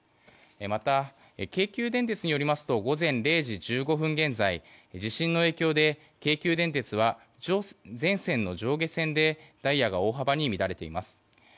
また、京急電鉄によりますと午前０時１５分現在地震の影響で京急電鉄は前線の上下線でダイヤが大幅に乱れています。